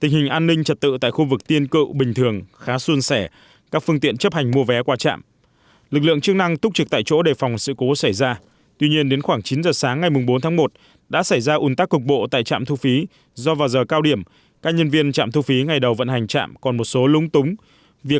hãy đăng ký kênh để ủng hộ kênh của mình nhé